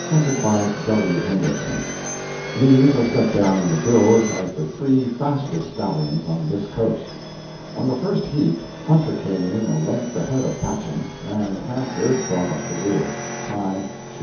entered by W. Hendrickson. These are set down in the bills as the three fastest stallions on this Coast. On the first heat "Hunter" came in a length ahead of "Patchen," and "Hanford" brought up the rear. Time, 2:38.